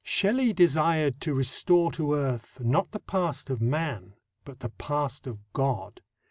Shelley desired to restore to earth not the past of man but the past of God.